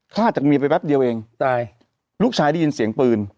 ฆ่าจากเมียไปแป๊บเดียวเองตายลูกชายได้ยินเสียงปืน